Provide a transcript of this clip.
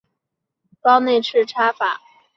招差术是中国古代数学中的高次内插法。